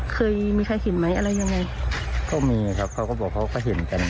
เคยมีใครเห็นไหมอะไรยังไงก็มีครับเขาก็บอกเขาก็เห็นกัน